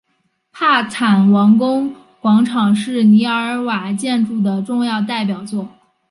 帕坦王宫广场是尼瓦尔建筑的重要代表作。